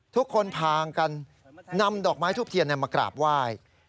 ทุกคนพากันนำดอกไม้ทูบเทียนมากราบไหว้